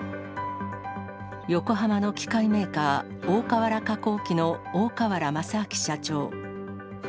横浜の機械メーカー、大川原化工機の大川原正明社長。